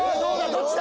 どっちだ？